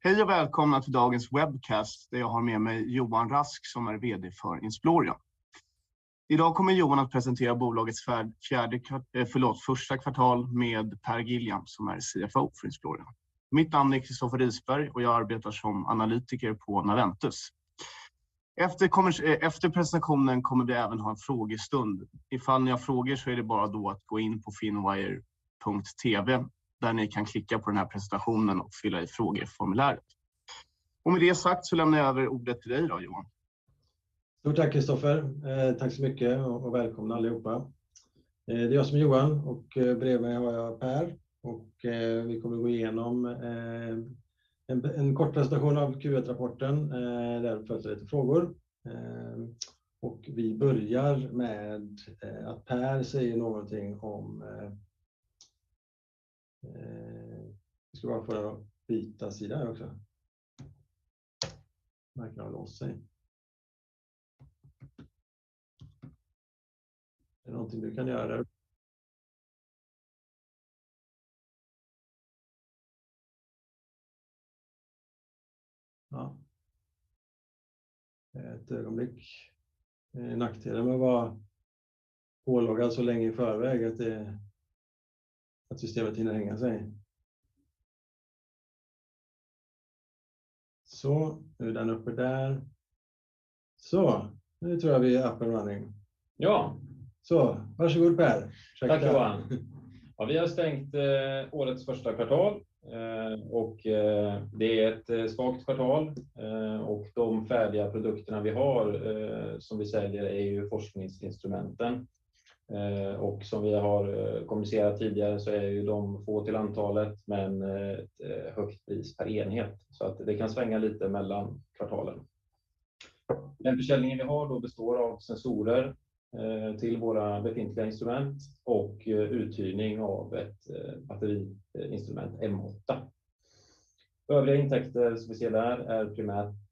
Hej och välkomna till dagens webcast där jag har med mig Johan Rask som är vd för Insplorion. Idag kommer Johan att presentera bolagets första kvartal med Pär Gilljam som är CFO för Insplorion. Mitt namn är Christoffer Risberg och jag arbetar som analytiker på Naventus. Efter presentationen kommer vi även att ha en frågestund. Ifall ni har frågor så är det bara då att gå in på Finwire.tv, där ni kan klicka på den här presentationen och fylla i frågeformuläret. Med det sagt så lämnar jag över ordet till dig då, Johan. Stort tack Christoffer. Tack så mycket och välkomna allihopa. Det är jag som är Johan och bredvid mig har jag Pär och vi kommer att gå igenom en kort presentation av Q1-rapporten. Därefter lite frågor. Vi börjar med att Pär säger någonting om. Nu ska jag bara få byta sida här också. Den verkar ha låst sig. Är det någonting du kan göra? Ja. Ett ögonblick. Nackdelen med att vara påloggad så länge i förväg att det systemet hinner hänga sig. Nu är den uppe där. Nu tror jag vi är uppe och running. Ja. Varsågod Pär. Tack Johan. Vi har stängt årets första kvartal, och det är ett svagt kvartal. De färdiga produkterna vi har som vi säljer är ju forskningsinstrumenten. Som vi har kommunicerat tidigare så är ju de få till antalet men ett högt pris per enhet. Så att det kan svänga lite mellan kvartalen. Den försäljningen vi har då består av sensorer till våra befintliga instrument och uthyrning av ett batteriinstrument, M8. Övriga intäkter som vi ser där är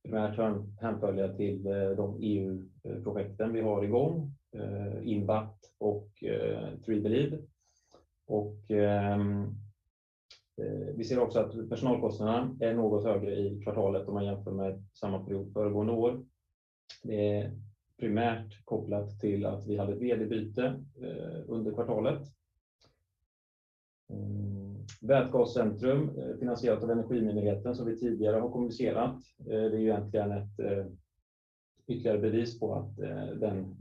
primärt hänförliga till de EU-projekten vi har i gång. InBAT och 3beLiEVe. Vi ser också att personalkostnaderna är något högre i kvartalet om man jämför med samma period föregående år. Det är primärt kopplat till att vi hade ett vd-byte under kvartalet. Vätgascentrum, finansierat av Energimyndigheten som vi tidigare har kommunicerat. Det är egentligen ett ytterligare bevis på att den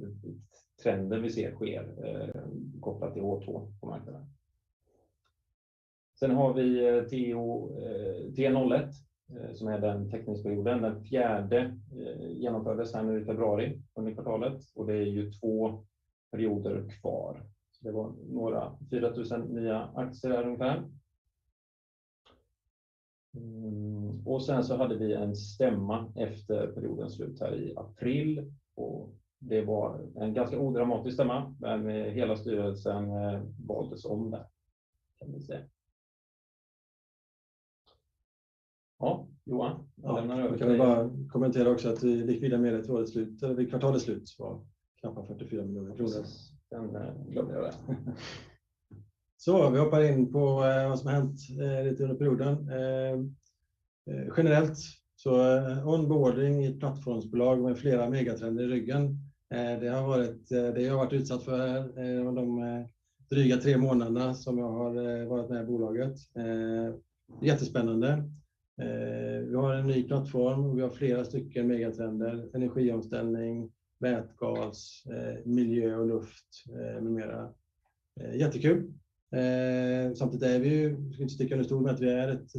trenden vi ser sker kopplat till H2 på marknaden. Har vi TO1, som är den teckningsperioden. Den fjärde genomfördes här nu i februari under kvartalet och det är 2 perioder kvar. Det var några 4,000 nya aktier där ungefär. Och sen så hade vi en stämma efter periodens slut här i april och det var en ganska odramatisk stämma, men hela styrelsen valdes om där kan vi säga. Ja, Johan, jag lämnar över. Kan jag bara kommentera också att likvida medel till årets slut, vid kvartalets slut var knappa 44 miljoner kronor. Precis, den glömde jag där. Vi hoppar in på vad som har hänt lite under perioden. Generellt, så onboarding i ett plattformsbolag med flera megatrender i ryggen. Det har varit, det jag har varit utsatt för de dryga tre månaderna som jag har varit med i bolaget. Jättespännande. Vi har en ny plattform, vi har flera stycken megatrender, energiomställning, vätgas, miljö och luft med mera. Jättekul. Samtidigt är vi ju, vi ska inte sticka under stolen med att vi är ett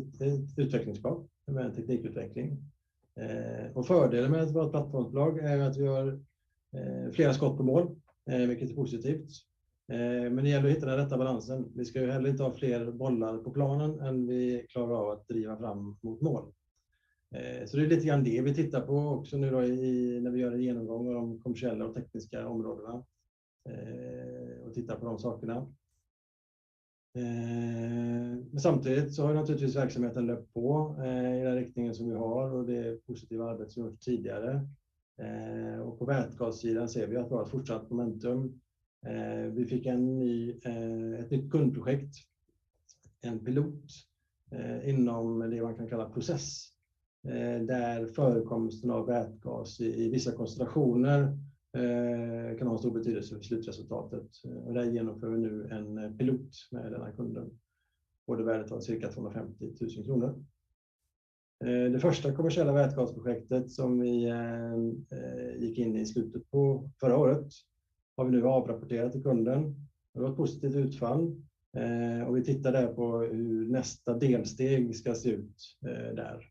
utvecklingsbolag med en teknikutveckling. Och fördelen med att vara ett plattformsbolag är att vi har flera skott på mål, vilket är positivt. Men det gäller att hitta den rätta balansen. Vi ska ju heller inte ha fler bollar på planen än vi klarar av att driva fram mot mål. Det är lite grann det vi tittar på också nu då i när vi gör en genomgång av de kommersiella och tekniska områdena och tittar på de sakerna. Men samtidigt så har naturligtvis verksamheten löpt på i den riktningen som vi har och det positiva arbete som vi har gjort tidigare och på vätgassidan ser vi att vi har ett fortsatt momentum. Vi fick ett nytt kundprojekt, en pilot inom det man kan kalla process, där förekomsten av vätgas i vissa koncentrationer kan ha en stor betydelse för slutresultatet. Där genomför vi nu en pilot med den här kunden på det värdet av cirka 250,000 kronor. Det första kommersiella vätgasprojektet som vi gick in i slutet på förra året har vi nu avrapporterat till kunden. Det var ett positivt utfall. Vi tittar där på hur nästa delsteg ska se ut där.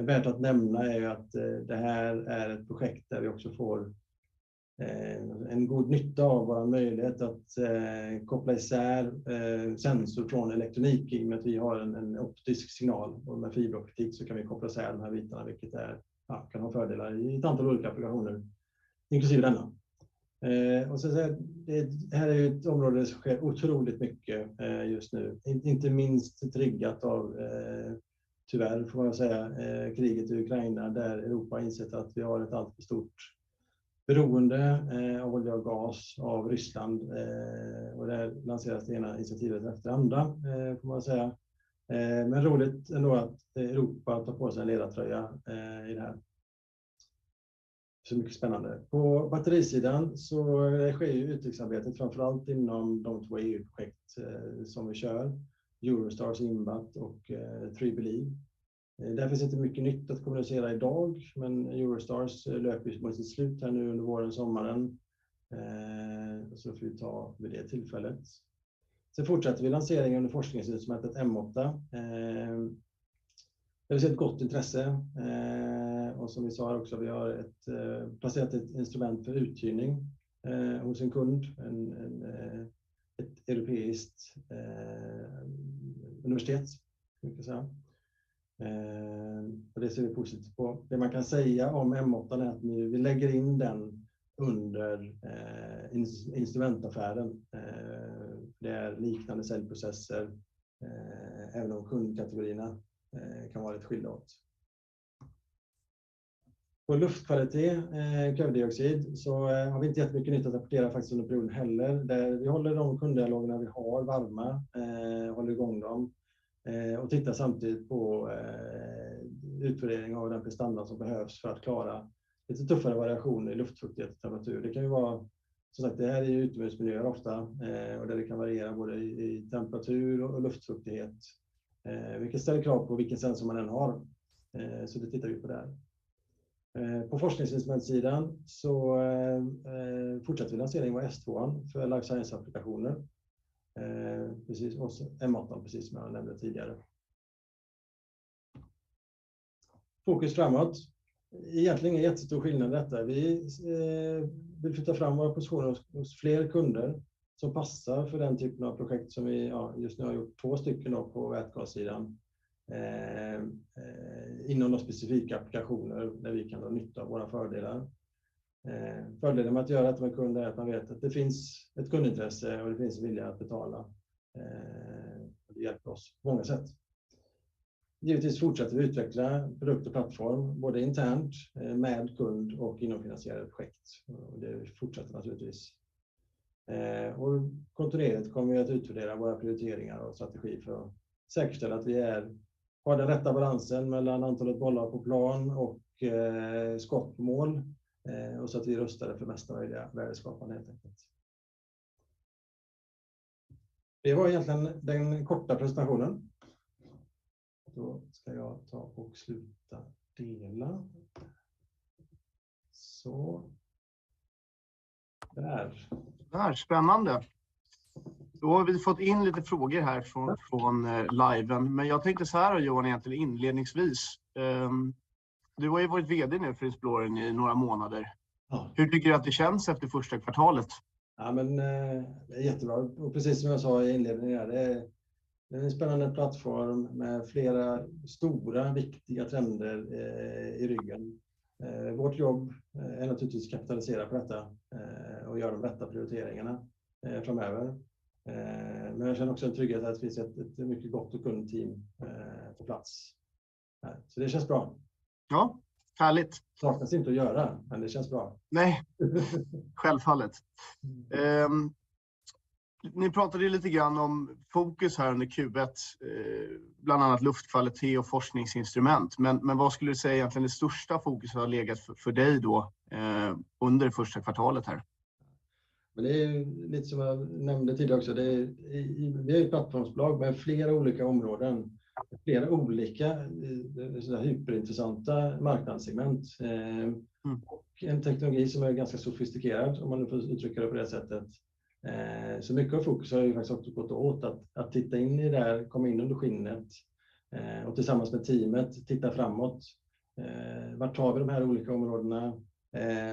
Värt att nämna är att det här är ett projekt där vi också får en god nytta av vår möjlighet att koppla isär sensor från elektronik i och med att vi har en optisk signal och med fiberoptik så kan vi koppla isär de här bitarna, vilket kan ha fördelar i ett antal olika applikationer, inklusive denna. Sen så är det här ett område som sker otroligt mycket just nu, inte minst triggat av tyvärr får man säga, kriget i Ukraina, där Europa insett att vi har ett alltför stort beroende av olja och gas av Ryssland. Där lanseras det ena initiativet efter det andra får man säga. Roligt ändå att Europa tar på sig en ledartröja i det här. Mycket spännande. På batterisidan sker ju utvecklingsarbetet, framför allt inom de två EU-projekt som vi kör. Eurostars InBAT och 3beLiEVe. Där finns inte mycket nytt att kommunicera i dag, men Eurostars löper ju mot sitt slut här nu under våren, sommaren. Får vi ta vid det tillfället. Fortsätter vi lanseringen under forskningsinstrumentet M8. Det har vi sett gott intresse. Som vi sa också, vi har placerat ett instrument för uthyrning hos en kund, ett europeiskt universitet skulle jag kunna säga. Det ser vi positivt på. Det man kan säga om M8 är att vi lägger in den under instrumentaffären. Det är liknande säljprocesser, även om kundkategorierna kan vara lite skilda åt. På luftkvalitet, koldioxid, så har vi inte jättemycket nytt att rapportera faktiskt under perioden heller. Håller de kunddialogerna vi har varma, håller igång dem, och tittar samtidigt på utvärdering av den prestanda som behövs för att klara lite tuffare variationer i luftfuktighet och temperatur. Det kan ju vara, som sagt, det här är ju utemiljöer ofta, och där det kan variera både i temperatur och luftfuktighet, vilket ställer krav på vilken sensor man än har. Så det tittar vi på där. På forskningsinstrumentssidan så fortsätter vi lanseringen på S2:an för life science-applikationer. Precis, och M8, precis som jag nämnde tidigare. Fokus framåt. Egentligen ingen jättestor skillnad i detta. Vi vill flytta fram vår S2:a hos fler kunder som passar för den typen av projekt som vi just nu har gjort två stycken då på vätgassidan. Inom de specifika applikationer där vi kan dra nytta av våra fördelar. Fördelen med att göra detta med kund är att man vet att det finns ett kundintresse och det finns vilja att betala. Det hjälper oss på många sätt. Givetvis fortsätter vi utveckla produkt och plattform, både internt, med kund och inom finansierade projekt. Det fortsätter naturligtvis. Kontinuerligt kommer vi att utvärdera våra prioriteringar och strategi för att säkerställa att vi har den rätta balansen mellan antalet bollar på plan och skott på mål. Och så att vi är rustade för mesta möjliga värdeskapande helt enkelt. Det var egentligen den korta presentationen. Då ska jag ta och sluta dela. Så. Där. Spännande. Då har vi fått in lite frågor här från liven. Jag tänkte såhär Johan egentligen inledningsvis. Du har ju varit VD nu för Insplorion i några månader. Ja. Hur tycker du att det känns efter första kvartalet? Ja men, jättebra. Och precis som jag sa i inledningen, det är en spännande plattform med flera stora viktiga trender i ryggen. Vårt jobb är naturligtvis att kapitalisera på detta, och göra de rätta prioriteringarna framöver. Men jag känner också en trygghet att det finns ett mycket gott och kundteam på plats. Så det känns bra. Ja, härligt. Saknas inte att göra, men det känns bra. Nej, självfallet. Ni pratade lite grann om fokus här under Q1, bland annat luftkvalitet och forskningsinstrument. Vad skulle du säga egentligen det största fokus har legat för dig då, under första kvartalet här? Det är lite som jag nämnde tidigare också. Det vi är ett plattformsbolag med flera olika områden, såna här hyperintressanta marknadssegment. En teknologi som är ganska sofistikerad om man uttrycker det på det sättet. Mycket av fokus har ju faktiskt också gått åt att titta in i det där, komma in under skinnet, och tillsammans med teamet titta framåt. Vart tar vi de här olika områdena?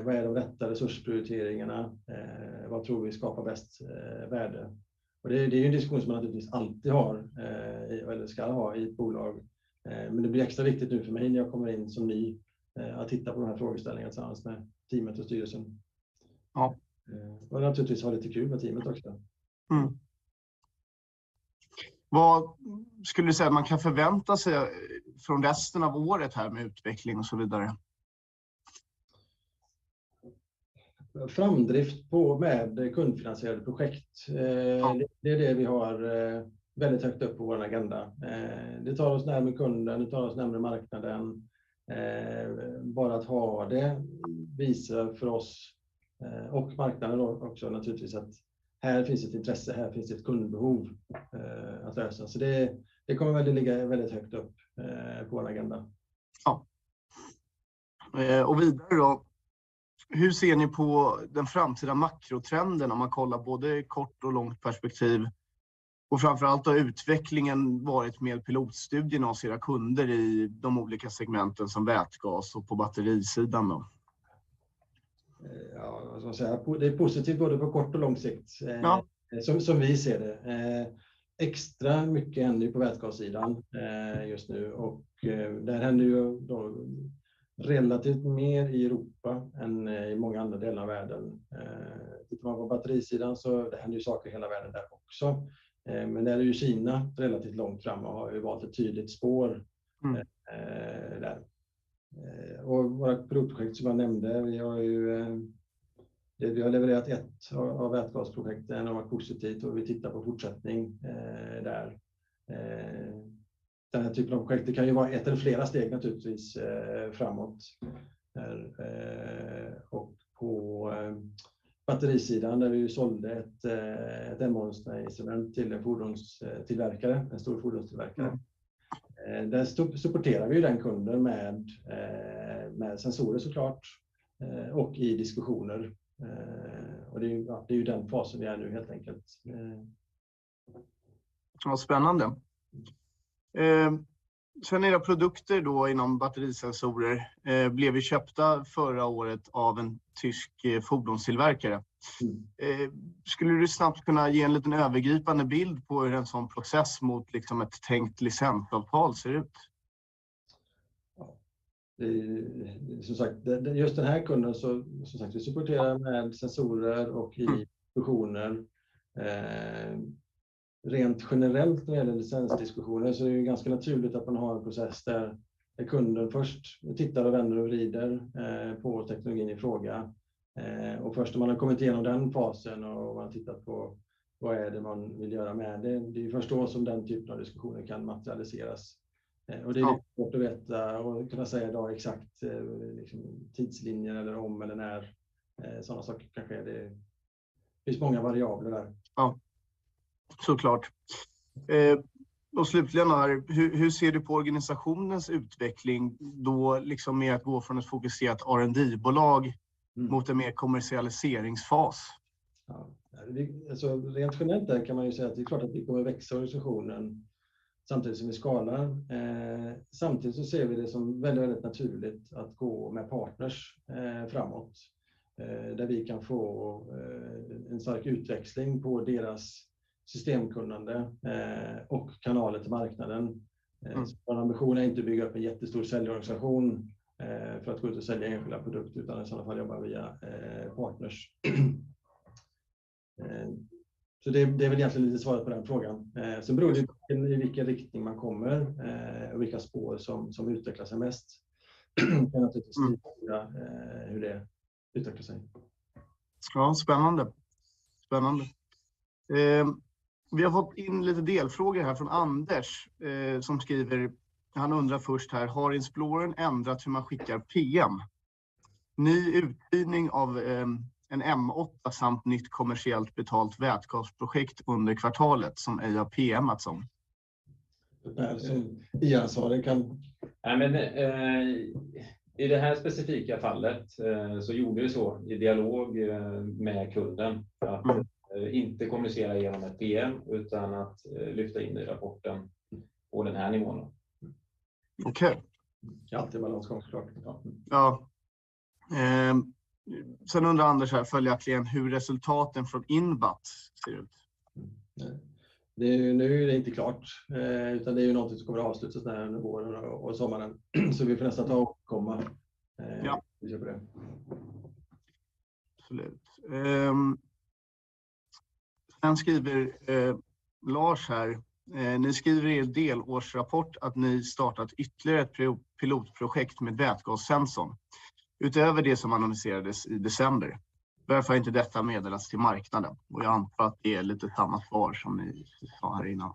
Vad är de rätta resursprioriteringarna? Vad tror vi skapar bäst värde? Det är ju en diskussion som man naturligtvis alltid har, eller ska ha i ett bolag. Det blir extra viktigt nu för mig när jag kommer in som ny att titta på de här frågeställningarna tillsammans med teamet och styrelsen. Ja. Naturligtvis ha lite kul med teamet också. Vad skulle du säga man kan förvänta sig från resten av året här med utveckling och så vidare? Framdrift på med kundfinansierade projekt. Det är det vi har väldigt högt upp på vår agenda. Det tar oss närmre kunden, det tar oss närmre marknaden. Bara att ha det visar för oss, och marknaden då också naturligtvis, att här finns ett intresse, här finns ett kundbehov, att lösa. Det kommer väl ligga väldigt högt upp på vår agenda. Ja. och vidare då. Hur ser ni på den framtida makrotrenden om man kollar både kort och långt perspektiv? Och framför allt har utvecklingen varit med pilotstudien av era kunder i de olika segmenten som vätgas och på batterisidan då? Ja, vad ska man säga, det är positivt både på kort och lång sikt. Ja Som vi ser det. Extra mycket händer ju på vätegassidan just nu och där händer ju då relativt mer i Europa än i många andra delar av världen. Tittar man på batterisidan så händer ju saker i hela världen där också. Där är ju Kina relativt långt framme och har ju valt ett tydligt spår där. Våra produktprojekt som jag nämnde, vi har levererat ett av vätegasprojekten och varit positivt och vi tittar på fortsättning där. Den här typen av projekt, det kan ju vara ett eller flera steg naturligtvis framåt. På batterisidan där vi ju sålde ett M8-instrument till en fordonstillverkare, en stor fordonstillverkare. Där supporterar vi ju den kunden med sensorer så klart och i diskussioner. Det är ju den fasen vi är nu helt enkelt. Vad spännande. Sen era produkter då inom batterisensorer blev ju köpta förra året av en tysk fordonstillverkare. Skulle du snabbt kunna ge en liten övergripande bild på hur en sådan process mot liksom ett tänkt licensavtal ser ut? Som sagt, just den här kunden så som sagt, vi supporterar med sensorer och i diskussioner. Rent generellt när det gäller licensdiskussioner så är det ju ganska naturligt att man har en process där kunden först tittar och vänder och vrider på teknologin i fråga. Och först om man har kommit igenom den fasen och man tittat på vad är det man vill göra med det. Det är ju först då som den typen av diskussioner kan materialiseras. Och det är svårt att veta och kunna säga i dag exakt, liksom tidslinjen eller om eller när sådana saker kan ske. Det finns många variabler där. Ja, så klart. Och slutligen här, hur ser du på organisationens utveckling då liksom med att gå från ett fokuserat R&D-bolag mot en mer kommersialiseringsfas? Alltså rent generellt där kan man ju säga att det är klart att vi kommer växa organisationen samtidigt som vi skalar. Samtidigt så ser vi det som väldigt naturligt att gå med partners framåt, där vi kan få en stark utväxling på deras systemkunnande och kanaler till marknaden. Vår ambition är inte att bygga upp en jättestor säljorganisation för att gå ut och sälja enskilda produkter, utan i sådana fall jobba via partners. Så det är väl egentligen lite svaret på den frågan. Sen beror det på i vilken riktning man kommer och vilka spår som utvecklar sig mest. Kan jag naturligtvis tippa hur det utvecklar sig. Ja, spännande. Vi har fått in lite delfrågor här från Anders, som skriver. Han undrar först här: Har Insplorion ändrat hur man skickar PM? Ny utvidgning av en M8 samt nytt kommersiellt betalt vätgasprojekt under kvartalet som det har PM:ats om. Det är alltså IA-ansvaret kan. Nej men, i det här specifika fallet, så gjorde vi så i dialog med kunden att inte kommunicera igenom ett PM utan att lyfta in i rapporten på den här nivån. Okej. Allt är väl också självklart. Ja. Undrar Anders här följaktligen hur resultaten från InBAT ser ut. Nu är det inte klart, utan det är någonting som kommer avslutas nära under våren och sommaren. Vi får vänta ta och komma. Ja. Vi gör väl det. Absolut. Skriver Lars här: Ni skriver i er delårsrapport att ni startat ytterligare ett pilotprojekt med vätgassensor. Utöver det som annonserades i december. Varför har inte detta meddelats till marknaden? Jag antar att det är lite samma svar som ni sa här innan.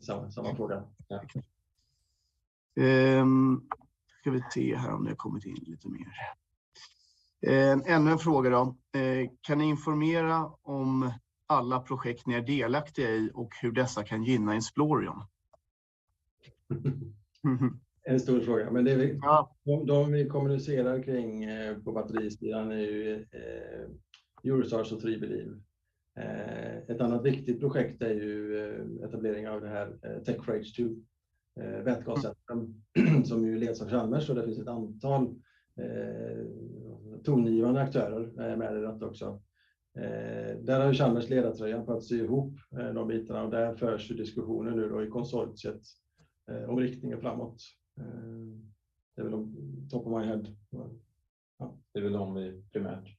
Samma, samma fråga. Ska vi se här om det har kommit in lite mer. Ännu en fråga då. Kan ni informera om alla projekt ni är delaktiga i och hur dessa kan gynna Insplorion? En stor fråga, men det vi kommunicerar kring på batterisidan är ju Eurostars och 3beLiEVe. Ett annat viktigt projekt är ju etablering av det här TechForH2, vätgasen som ju leds av RISE och det finns ett antal tongivande aktörer med i det också. Där har RISE ledartröjan för att sy ihop de bitarna. Där förs diskussioner nu då i konsortiet om riktningen framåt. Det är väl top of my head. Ja, det är väl de vi primärt.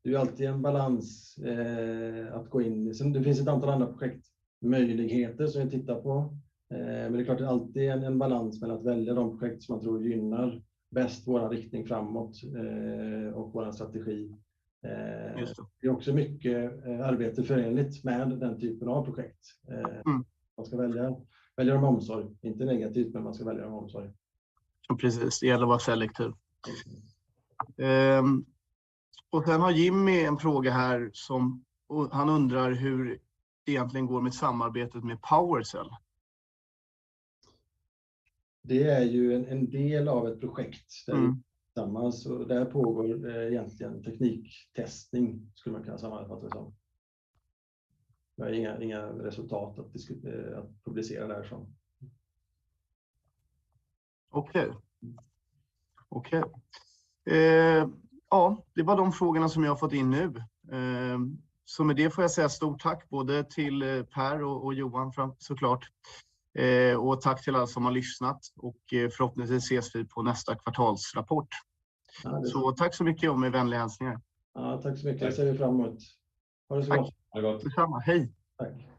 Det är ju alltid en balans att gå in. Det finns ett antal andra projekt, möjligheter som vi tittar på. Det är klart, det är alltid en balans mellan att välja de projekt som man tror gynnar bäst vår riktning framåt, och vår strategi. Det är också mycket arbete förknippat med den typen av projekt. Man ska välja dem med omsorg, inte negativt, men man ska välja dem med omsorg. Precis, det gäller att vara selektiv. Har Jimmy en fråga här som, han undrar hur det egentligen går med samarbetet med PowerCell. Det är ju en del av ett projekt där vi tillsammans och där pågår egentligen tekniktestning skulle man kunna sammanfatta det som. Vi har inga resultat att publicera därifrån. Okej. Ja, det var de frågorna som jag har fått in nu. Med det får jag säga stort tack både till Pär och Johan, framför allt, så klart. Tack till alla som har lyssnat och förhoppningsvis ses vi på nästa kvartalsrapport. Tack så mycket och med vänliga hälsningar. Tack så mycket. Jag ser fram emot. Ha det så gott. Detsamma. Hej. Tack.